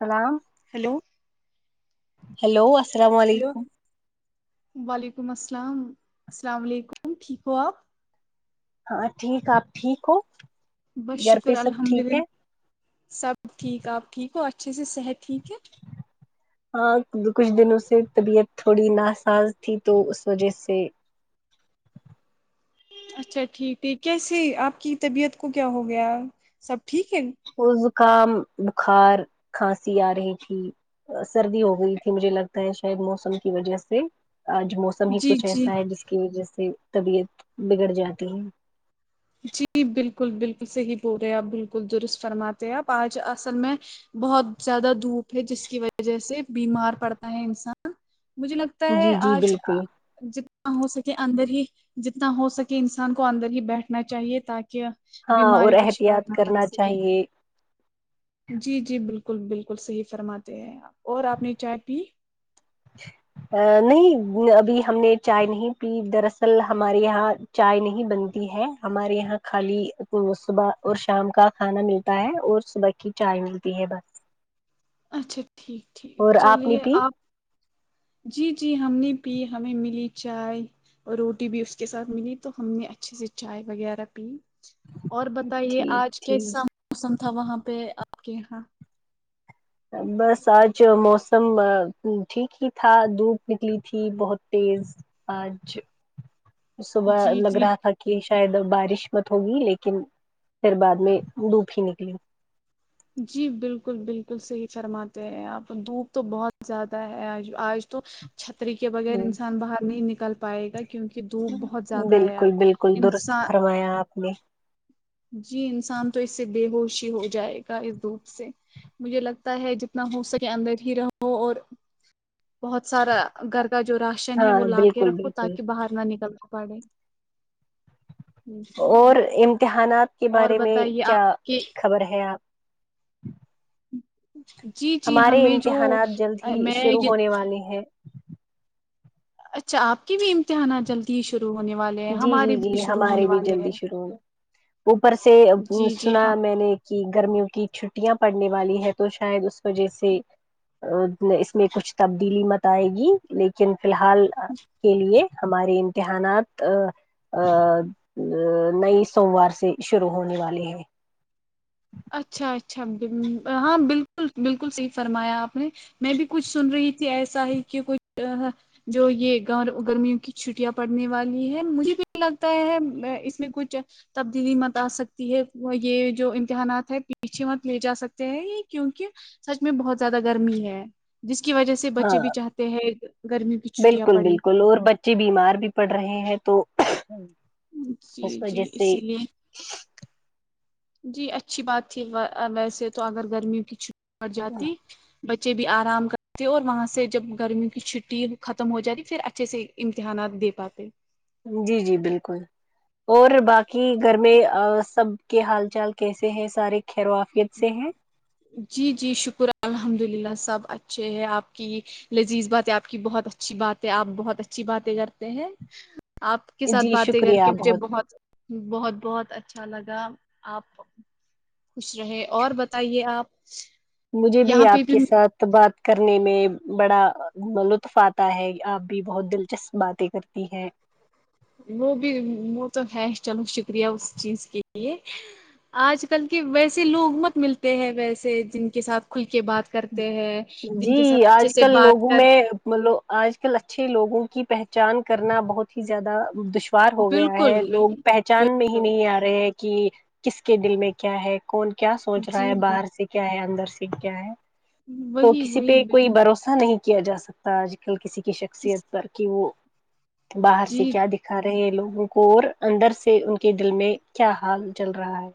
سلام hello hello السلام hello علیکم وعلیکم السلام السلام علیکم ٹھیک ہو آپ ہاں ٹھیک آپ ٹھیک ہو بس گھر پہ شکر سب الحمد ٹھیک للہ ہے سب ٹھیک آپ ٹھیک ہو اچھے سے صحت ٹھیک ہے ہاں کچھ دنوں سے طبیعت تھوڑی ناساز تھی تو اس وجہ سے اچھا ٹھیک ٹھیک کیسے آپ کی طبیعت کو کیا ہو گیا سب ٹھیک ہے وہ زکام بخار کھانسی آ رہی تھی سردی ہو گئی تھی مجھے لگتا ہے شاید موسم کی وجہ سے آج موسم سبھی جی کچھ جی ایسا ہے جس کی وجہ سے طبیعت بگڑ جاتی ہے جی بالکل بالکل صحیح بول رہے آپ بالکل درست فرماتے آپ آج اصل میں بہت زیادہ دھوپ ہے جس کی وجہ سے بیمار پڑتا ہے انسان مجھے لگتا تا ہے جی جی آج بالکل کہ جتنا ہو سکے اندر ہی جتنا ہو سکے انسان کو اندر ہی بیٹھنا چاہیے تاکہ کہ اب ہاں اور بیماریوں کا شکار احتیاط نہ بن کرنا سک چاہیے جی جی بالکل بالکل صحیح فرماتے ہیں آپ اور آپ نے چائے پی ا نہیں ابھی ہم نے چائے نہیں پی دراصل ہمارے یہاں چائے نہیں بنتی ہے ہمارے یہاں خالی صبح اور شام کا کھانا ملتا ہے اور صبح کی چائے ملتی ہے بس اچھا ٹھیک ٹھیک اور نے چلیے پی آپ جی جی ہم نے پی ہمیں ملی چائے اور روٹی بھی اس کے ساتھ ملی تو ہم نے اچھے سے چائے وغیرہ پی اور بتائیے ٹھیک آج کیسا ٹھیک موسم تھا وہاں پہ آپ کے یہاں بس آج موسم ٹھیک ہی تھا دھوپ نکلی تھی بہت تیز پانچ صبح جی لگ جی رہا تھا کہ شاید بارش مت ہوگی لیکن پھر بعد میں دھوپ ہی نکلی جی بالکل بالکل صحیح فرماتے ہیں آپ دھوپ تو بہت زیادہ ہے آج تو چھتری کے بغیر ہ انسان باہر نہیں نکل پائے گا کیونکہ دوپ بہت زیادا ہے بالکل آج بالکل درست انسان فر مایا آپ نے جی انسان تو اس سے بے ہوشی ہو جائے گا اس دھوپ سے مجھے لگتا ہے جتنا ہو سکے اندر ہی رہو اور بہت سارا گھر کا جو راشن ہے ہاں وہ لا کے بالکل رکھو بالکل تاکہ باہر نہ نکلنا پڑے جی اور امتحانات کے اور بارے میں بتائیے کیا آپ کے خبر ہے آپ جی جی ہمارے ہمیں جو میں یہ یہ ہے اچھا آپ کی بھی امتحانات جلدی ہی شروع ہونے والے ہیں جی جی ہمارے بھی جی شروع ہونے ہمارے بھی والے جلدی ہیں شروع ہونے اوپر سے جی جی سنا ہاں میں نے کہ گرمیوں کی چھٹیاں پڑنے والی ہے تو شاید اس وجہ سے اس میں کچھ تبدیلی متائے گی لیکن فی الحال کے لیے ہمارے امتحانات ا ا نئی سوموار سے شروع ہونے والے ہیں اچھا اچھا ہاں بالکل بالکل صحیح فرمایا آپ نے میں بھی کچھ سن رہی تھی ایسا ہی کہ کچھ جو یہ گرمیوں کی چھٹیاں پڑنے والی ہے مجھے بھی لگتا ہے اس میں کچھ تبدیلی مت آ سکتی ہے یہ جو اتحانات ہے پیچھے مت لے جا سکتے ہیں یہ کیونکہ سچ میں بہت زیادہ گرمی ہے جس کی وجہ سے ہاں بچے بھی چاہتے ہیں گرمی کی چھٹیاں پڑی چے بیمار بھی پڑ رہے ہیں تو جی اس وجہ جی سے اسی لیے جی اچھی بات تھی ویسے تو اگر گرمیوں کی چھ پڑ جاتی بچے بھی آرام کرتے اور وہاں سے جب گرمیوں کی چھٹی ختم ہو جاتی پھر اچھے سے امتحانات د پتہ جی جی بالکل اور باقی گھر میں سب کے حال چال کیسے ہیں سارے خیرافیت سے ہیں جی جی شکر الحمد للہ سب اچھے ہے آپ کی لذیذ بات ہے آپ کی بہت اچھی بات ہے آپ بہت اچھی باتیں کرتے ہیں آپ کے ساتھ جی باتیں کر کے شکریہ مجھے بہت بہت بہت اچھا لگا آپ خوش رہے اور بتائیے آپ مجھے بھی یہاں پہ آپ کے ساتھ بات کرنے میں بڑا لطف آتا ہے آپ بھی بہت دلچسپ باتیں کرتی ہیں وہ بھی وہ تو ہے چلو شکریہ اس چیز کے لیے آج کل کے ویسے لوگ مت ملتے ہیں ویسے جن کے ساتھ کھل کے بات کرتے ہیں جن کے ساتھ اچھے سے بات کر ملو آج کل اچھے لوگوں کی پہچان کرنا بہت ہی زیادہ دش وار ہو گیا بالکل ہے لوگ پہچان میں ہی بالکل نہیں آ رہے ہیں کہ کس کے دل میں کیا ہے کون کیا سوچ رہا جی ہے باہر سے کیا ہے اندر سے کیا ہے تو وہی کسی وہی پہ کوئی بالکل بھروسہ نہیں کیا جا سکتا آج کل کسی کی شخصیت کس پر کہ وہ باہر جی سے کیا دی کھا رہے ہیں لوگوں کو اور اندر سے ان کے دل میں کیا حال چل رہا ہے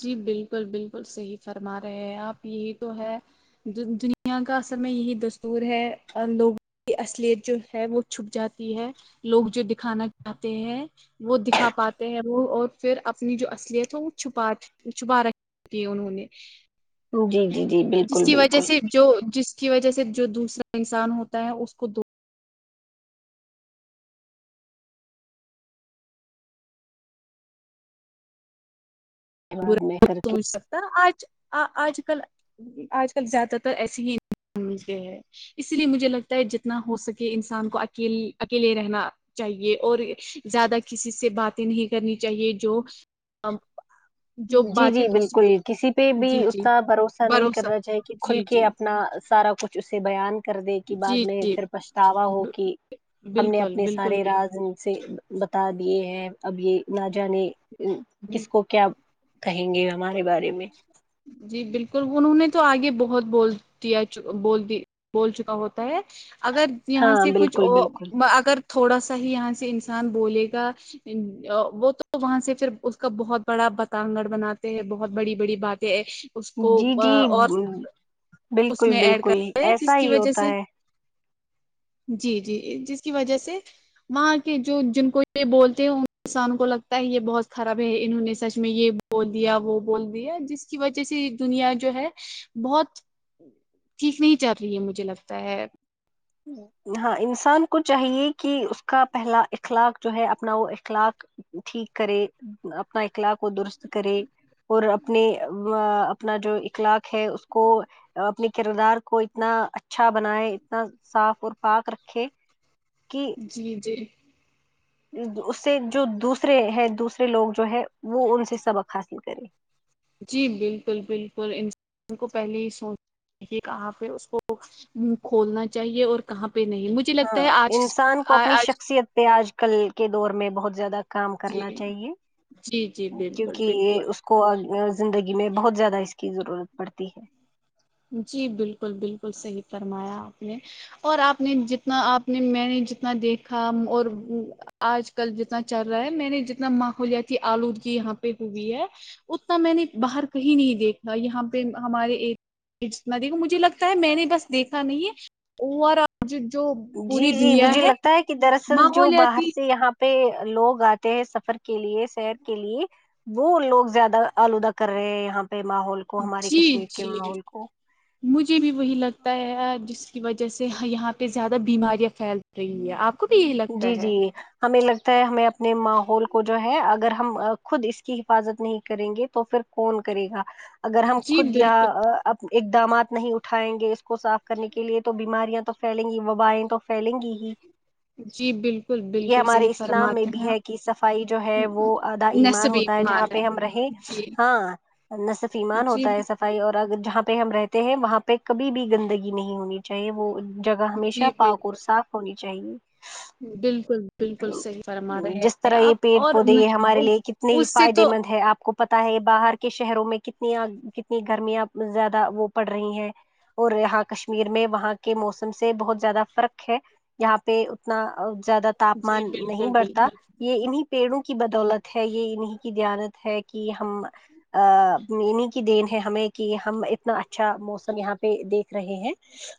جی بالکل بالکل صحیح فرما رہے ہیں آپ یہی تو ہے دنیا کا اصر میں یہی دستور ہے لوگ کی اصلیت جو ہے وہ چھپ جاتی ہے لوگ جو دکھانا چاہتے ہیں وہ دکھا پاتے ہیں وہ اور پھر اپنی جو اصلیت ہے وہ چھپا [unintelligible] شبہ ر دیے انہوں نے جی جی جی جس بالکل کی وجہ بالکل سے جو جس کی وجہ سے جو دوسرا انسان ہوتا ہے اس کو دو بعد میں برا کر کے سوچ سکتا آج آج کل آج کل زیادہ تر ایسی [inaudible] ہے اسی لیے مجھے لگتا ہے جتنا ہو سکے انسان کو اکیلی اکیلے رہنا چاہیے اور زیادہ کسی سے باتیں نہیں کرنی چاہیے جو جو جی جی باتیں بالکل دوسری کسی پہ بھی جی جی اتنا بھروسہ نہیں کرنا چاہی کہ کھل جی کے جی اپنا سارا کچھ اسے بیان کر دے کی بعد جی میں جی پھر پچھتاوا ہو کہ ہم نے بالکل اپنے بالکل سارے بالکل راز ان سے بتا دیے ہیں اب یہ نہ جانے کس کو کیا کہیں گے ہمارے بارے میں جی بالکل انہوں نے تو آگے بہت بول دیا بول دی بول چکا ہوتا ہے اگر یہاں ہاں سے کچھ بالکل بالکل اگر تھوڑا سا ہی یہاں سے انسان بولے گا وہ تو وہاں سے پھر اس کا بہت بڑا بتاگڑ بناتے ہیں بہت بڑی بڑی بات تے ہے اس کو جی جی اور اس بالکل میں ایڈ بالکل کرتا ہے جس ایسا کی ہی وجہ ہوتا سے ہے جی جی جس کی وجہ سے وہاں کے جو جن کو یہ بولتے ہیں ان انسانوں کو لگتا ہے یہ بہت خراب ہے انہوں نے سچ میں یہ بول دیا وہ بول دیا جس کی وجہ سے یہ دنیا جو ہے بہت ٹھیک نہیں چل رہی ہے مجھے لگتا ہے ہاں انسان کو چاہیے کہ اس کا پہلا اخلاق جو ہے اپنا وہ اخلاق ٹھیک کرے اپنا اخلاق کو درست کرے اور اپنے اپنا جو اخلاق ہے اس کو اپنے کردار کو اتنا اچھا بنائے اتنا صاف اور پاک رکھے کہ جی جی اس سے جو دوسرے ہے دوسرے لوگ جو ہے وہ ان سے سبق حاصل کرے جی بالکل بالکل انسان کو پہلے ہی سوچ یہ کہاں پہ اس کو کھولنا چاہیے اور کہاں پہ نہیں مجھے لگتا ہاں ہے آج انسان کو اپنی آج شخصیت پہ آج کل کے دور میں بہت زیادہ کام کرنا جی چاہیے جی جی بالکل کیونکہ بالکل یہ اس کو کو زندگی میں بہت زیادہ اس کی ضرورت پڑتی ہے جی بالکل بالکل صحیح فرمایا آپ نے اور آپ نے جتنا آپ نے میں نے جتنا دیکھا اور آج کل جتنا چل رہا ہے میں نے جتنا ماحولیاتی آلودگی یہاں پہ ہوئی ہے اتنا میں نے باہر کہیں نہیں دیکھا یہاں پہ ہمارے ایک اتنا دیکھو مجھے لگتا ہے میں نے بس دیکھا نہیں ہے اور آج جو جی پوری جی دنیا مجھے ہے لگتا کہ دراصل جو باہر ماحولیاتی سے یہاں پہ لوگ آتے ہیں سفر کے لیے سیر کے لیے وہ لوگ زیادہ آلودہ کر رہے ہیں یہاں پہ ماحول کو ہمارے جی کشمیر کے جی ماحول کو مجھے بھی وہی لگتا ہے جس کی وجہ سے یہاں پہ زیادہ بیماریاں پھیل رہی ہیں آپ کو بھی یہی جی لگتا جی ہے ہمیں لگتا ہے ہمیں اپنے ماحول کو جو ہے اگر ہم خود اس کی حفاظت نہیں کریں گے تو پھر کون کرے گا اگر ہم جی خود بالکل یہاں اقدامات نہیں اٹھائیں گے کو صاف کرنے کے لیے تو بیماریاں تو پھیلیں گی وبائیں تو پھیلیں گی ہی جی بالکل یہ بالکل ہمارے صحیح اسلام میں فرماتے بھی ہیں ہے کہ صفائی جو ہے وہ آدا ایمان نصبی ہوتا ہے جہاں ایمان پہ ہم رہیں جی ہاں نا صرف ایمان جی ہوتا ہے سب اور اگر جہاں پہ ہم رہتے ہیں وہاں پہ کبھی بھی گندگی نہیں ہونی چاہیے وہ جگہ ہمیشہ جی پاک اور بالکل صاف ہونی چاہیے بالکل بالکل صحیح فرما رہے جس ہیں طرح یہ آپ پیڑ اور پودے یہ ہمارے لیے کتنے ہی اس سے فائدے تو مند ہے آپ کو پتا ہے باہر کے شہروں میں کتنی کتنی گرمیاں زیادہ وہ پڑ رہی ہیں اور یہاں کشمیر میں وہاں کے موسم سے بہت زیادہ فرق ہے یہاں پہ اتنا زیادہ تا جی بالکل بالکل یہ انہیں پیڑوں کی بدولت ہے یہ انہیں کی دیانت ہے کہ ہم ا انہیں کی دین ہے ہمیں کہ ہم اتنا اچھا اچھا موسم یہاں پہ دیکھ رہے ہیں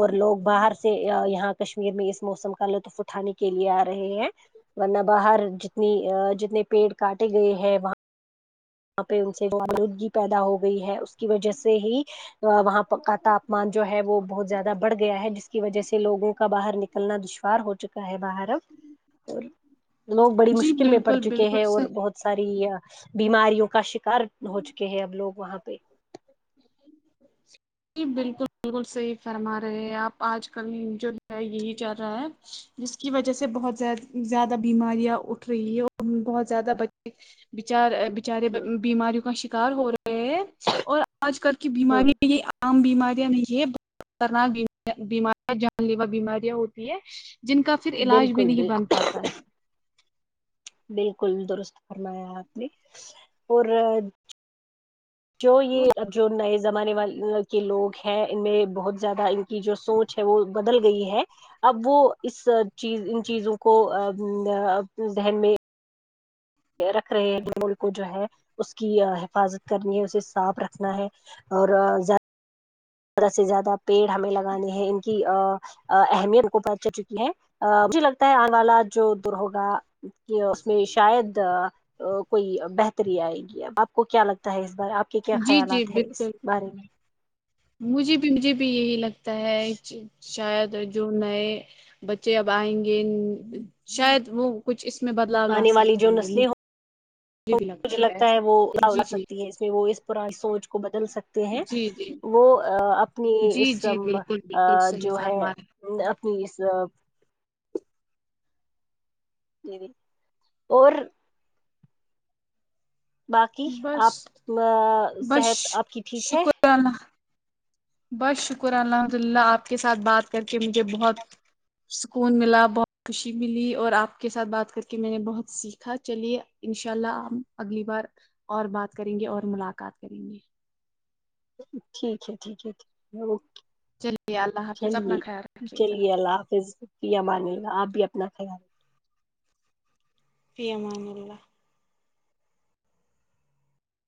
اور لوگ باہر سے یہا کشمیر میں اس موسم کا لطف اٹھانے کے لیے آہے ہیں ورنہ باہر جتنی جتنے پیڑ کاٹے گئے ہیں وہاں یہاں پہ ان سے الودگی پیدا ہو گئی ہے اس کی وجہ سے ہی وہاں پکا تاپمان جو ہے وہ بہت زیادہ بڑھ گیا ہے جس کی وجہ سے لوگوں کا باہر نکل کل نا دشوار ہو چکا ہے باہر اب اور لوگ بڑی جی مشکل میں پڑ بالکل چکے بالکل ہیں اور صحیح بہت ساری بیماریوں کا شکار ہو چکے ہیں اب لوگ وہاں پہ [unintelligible] جی بالکل بالکل صحیح فرما رہے آپ آج کل جو یہی چل رہا ہے جس کی وجہ سے بہت زیاہ زیادہ بیماریاں اٹھ رہی ہے اور بہت زیادہ بچے بچار بچارے ہ بیماریوں کا شکار ہو رہے ہیں اور آج کل کی ہ بیماریاں یہ عام بیماریاں نہیں ہے خطرناک بیماریاں جان لیوا بیماریاں ہوتی ہیں جن کا پھر علاج بھی بالکل نہیں بن بالکل پاتا ہے بالکل درست فرمایا آپ نے اور جو یہ اب جو نئے زمانے والے کے لوگ ہیں ان میں بہت زیادہ ان کی جو سوچ ہے وہ بدل گئی ہے اب وہ اس چیز ان چیزوں کو ا ذہن میں رکھ رہے ہیں جو ملک کو جو ہے اس کی حفاظت کرنی ہے اسے صاف رکھنا ہے اور زا طرح سے زیادہ پیڑ ہمیں لگانے ہیں ان کی اہمیت کو بچ چکی ہے مجھے لگتا ہے آگال جو در ہوگا کہ اس میں شاید کوئی بہتری آئے گی اب آپ کو کیا لگتا ہے اس بار آپ کہ کیا جی جی خیالات ہے اس بالکل بارے میں مجھے بھی مجھے بھی یہی لگتا ہے شاید جو نئے بچے اب آئیں گے شاید وہ کچھ اس میں بدلاؤ لا آنے والی جو سکیں گے نسلیں مجھے ہو بھی مجھے لگتا ایسا۔ ہے وہ جی جی سکتی ہے اس میں وہ اس پرانی سوچ کو بدل سکتے ہیں جی جی وہ اپنی جی اس جی ام بالکل بالکل صحیح جو ہے فرما رہے ہیں آپ۔ اپنی اس جی جی اور باقی آپ بس بس صحت آپ کی ٹھیک ہے شکر اللہ بس شکر الحمد للہ آپ کے ساتھ بات کر کے مجھے بہت سکون ملا بہت خوشی ملی اور آپ کے ساتھ بات کر کے میں نے بہت سیکھا چلیے انشاء اللہ آپ اگلی بار اور بات کریں گے اور ملاقات کریں گے ٹھیک ہے ٹھیک ہےیک ہے اوکے چلیے اللہ حافظ اپنا چلیے خیال رکھیے گا چلیے اللہ حافظ فی امان اللہ آپ بھی اپنا خیال فی امان اللہ